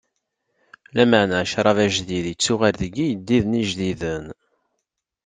Lameɛna ccṛab ajdid ittuɣal deg iyeddiden ijdiden.